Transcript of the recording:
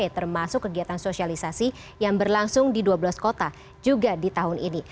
termasuk kegiatan sosialisasi yang berlangsung di dua belas kota juga di tahun ini